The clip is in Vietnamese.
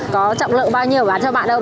có trọng lợi bao nhiêu bán cho bạn đâu